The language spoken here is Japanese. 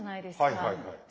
はいはいはい。